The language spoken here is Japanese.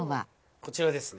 こちらですね。